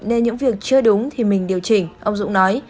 nên những việc chưa đúng thì mình điều chỉnh ông dũng nói